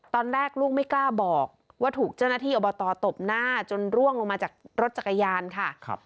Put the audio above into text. ตอนแรกลูกไม่กล้าบอกว่าถูกเจ้าหน้าที่อบตตบหน้าจนร่วงลงมาจากรถจักรยานค่ะ